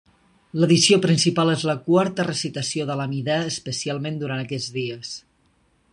L'addició principal és la quarta recitació de l'Amidà especialment durant aquests dies.